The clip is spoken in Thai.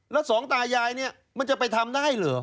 แล้วสองตายายเนี่ยมันจะไปทำได้เหรอ